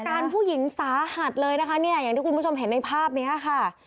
การผู้หญิงสาหัสเลยนะคะเนี่ยอย่างที่คุณผู้ชมเห็นในภาพนี้ค่ะ